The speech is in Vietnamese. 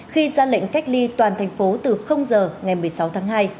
khi ra lệnh cách ly toàn thành phố từ giờ ngày một mươi sáu tháng hai